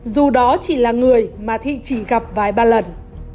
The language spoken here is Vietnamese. dù đó chỉ là người mà thị chỉ gặp vài ba lần